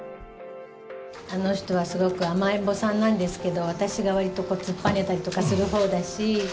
あの人はすごく甘えんぼさんなんですけど、私がわりと突っぱねたりとかするほうだし。